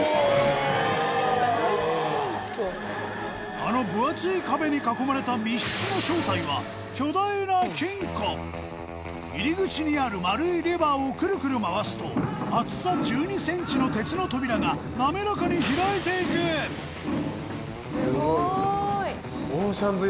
あのぶ厚い壁に囲まれた密室の正体は入り口にある丸いレバーをクルクル回すと厚さ１２ｃｍの鉄の扉がなめらかに開いていくスゴーイ！